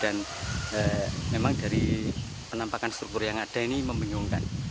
yang kita temui dan memang dari penampakan struktur yang ada ini membenyongkan